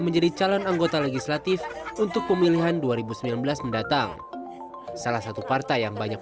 menjadi calon anggota legislatif untuk pemilihan dua ribu sembilan belas mendatang salah satu partai yang banyak